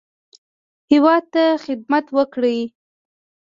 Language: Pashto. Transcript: هیواد ته خدمت وکړي.